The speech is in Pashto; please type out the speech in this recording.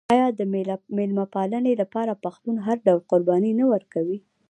آیا د میلمه پالنې لپاره پښتون هر ډول قرباني نه ورکوي؟